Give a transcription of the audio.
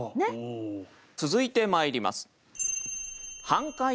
続いてまいります。